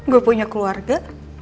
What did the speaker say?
gue punya keluarga